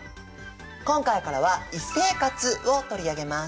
今回からは衣生活を取り上げます。